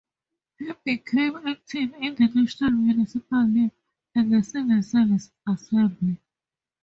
He became active in the National Municipal League and the Civil Service Assembly.